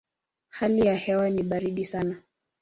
Hali ya hewa ni baridi sana.